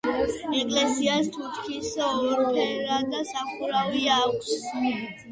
ეკლესიას თუნუქის ორფერდა სახურავი აქვს.